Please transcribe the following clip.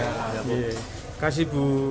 terima kasih bu